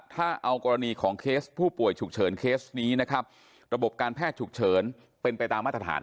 ถ้าเอากรณีของเคสผู้ป่วยฉุกเฉินเคสนี้นะครับระบบการแพทย์ฉุกเฉินเป็นไปตามมาตรฐาน